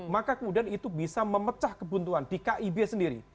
maka kemudian itu bisa memecah kebuntuan di kib sendiri